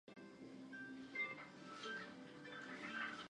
Fue intendente de Paysandú.